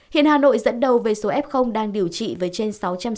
hiện hà nội dẫn đầu về số f đang điều trị với trên sáu trăm sáu mươi